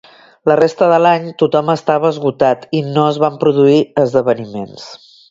La resta de l'any tothom estava esgotat i no es van produir esdeveniments.